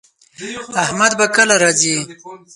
احمد به کله راځي